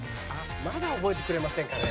「まだ覚えてくれませんかね」